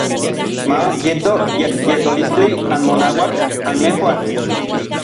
Ma yeto yekyetolistli anmonauak anmejuan.